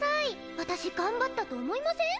私頑張ったと思いません？